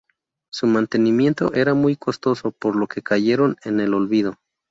Su mantenimiento era muy costoso, por lo que cayeron en el olvido.